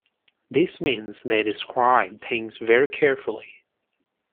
This means they describe things very carefully.